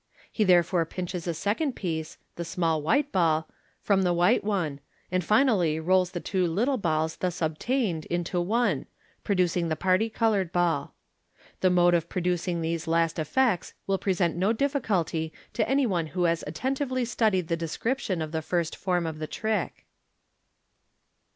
He therefore pinches a second piece (the small white ball) from the white one, and finally rolls the two little balls thus obtained into one, producing the parti coloured ball. The mode of producing these last effects will present no difficulty to any one who has attentively studied the description of the first form of the trick.